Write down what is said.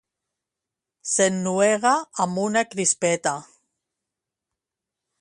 S'ennuega amb una crispeta